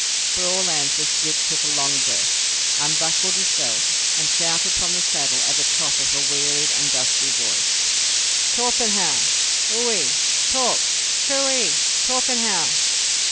For all answer Dick took a long breath, unbuckled his belt, and shouted from the saddle at the top of a wearied and dusty voice, "Torpenhow! Ohe, Torp! Coo ee, Tor pen how."